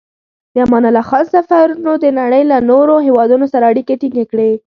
د امان الله خان سفرونو د نړۍ له نورو هېوادونو سره اړیکې ټینګې کړې.